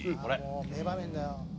「もう名場面だよ」